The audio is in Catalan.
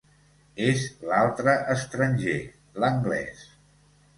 És l'altre estranger, l'Anglès.